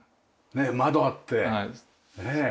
窓あってねえ。